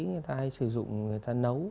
người ta hay sử dụng người ta nấu